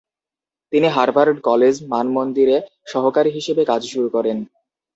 তিনি Harvard college মানমন্দিরে সহকারী হিসেবে কাজ শুরু করেন।